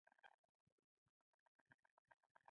نړۍ د یوې بلې جګړې درشل ته ورولي.